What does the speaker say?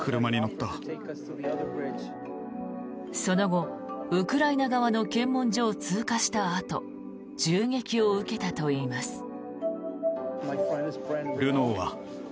その後、ウクライナ側の検問所を通過したあと銃撃を受けたといいます。